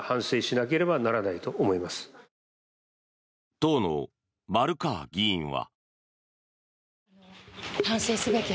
当の丸川議員は。